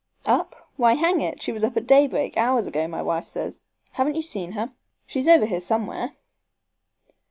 "Up? Why, hang it, she was up at daybreak up hours ago, my wife says. Haven't you seen her? She's over here somewhere?"